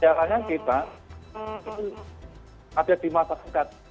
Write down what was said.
jalannya kita itu ada di mata sekat